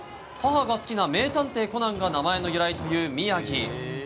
母が好きな「名探偵コナン」が名前の由来という宮城。